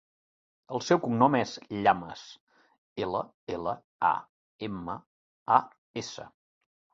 El seu cognom és Llamas: ela, ela, a, ema, a, essa.